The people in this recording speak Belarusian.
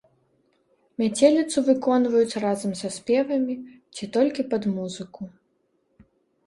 Мяцеліцу выконваюць разам са спевамі ці толькі пад музыку.